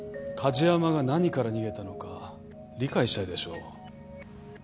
梶山が何から逃げたのか理解したいでしょう？